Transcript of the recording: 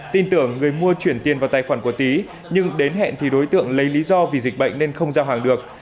tin tưởng người mua chuyển tiền vào tài khoản của tý nhưng đến hẹn thì đối tượng lấy lý do vì dịch bệnh nên không giao hàng được